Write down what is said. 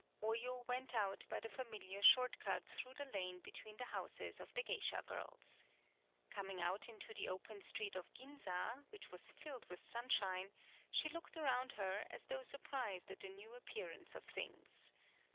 Oyo went out by the familiar short cut through the lane between the houses of the geisha girls. Coming out into the open street of Ginza, which was filled with sunshine, she looked around her as though surprised at the new ap pearance of things.